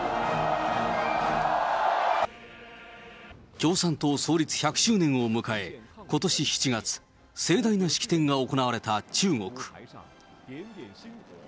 共産党創立１００周年を迎え、ことし７月、盛大な式典が行われた中国。